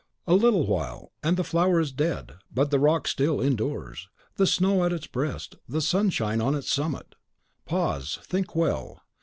A little while, and the flower is dead; but the rock still endures, the snow at its breast, the sunshine on its summit. Pause, think well.